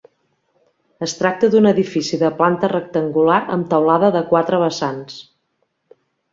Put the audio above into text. Es tracta d'un edifici de planta rectangular amb teulada de quatre vessants.